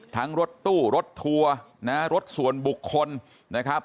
รถตู้รถทัวร์นะฮะรถส่วนบุคคลนะครับ